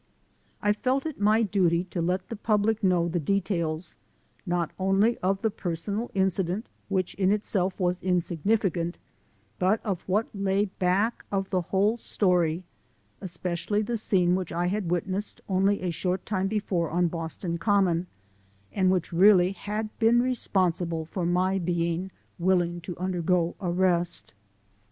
I felt it my duty to let the public know the de tails, not only of the personal incident, which in itself was insignificant, but of what lay back of the whole story, especially the scene which I had wit nessed only a short time before on Boston Common, and which really had been responsible for my being willing to undergo arrest.